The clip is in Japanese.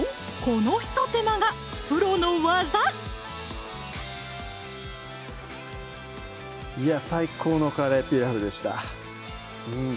この一手間がプロの技最高の「カレーピラフ」でした